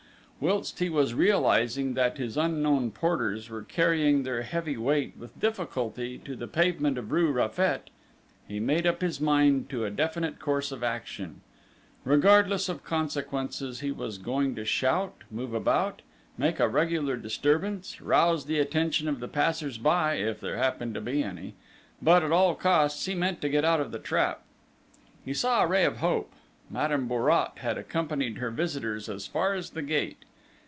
Whilst he was realising that his unknown porters were carrying their heavy weight with difficulty to the pavement of rue Raffet, he made up his mind to a definite course of action: regardless of consequences, he was going to shout, move about, make a regular disturbance, rouse the attention of the passers by if there happened to be any but, at all costs, he meant to get out of the trap!... He saw a ray of hope: Madame Bourrat had accompanied her visitors as far as the gate.